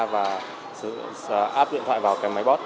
và áp điện thoại vào cái máy bót